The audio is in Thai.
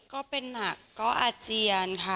ก็เป็นหนักก็อาเจียนค่ะ